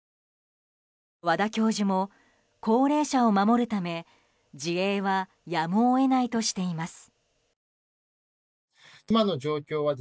和田教授も高齢者を守るため自衛はやむを得ないとしています。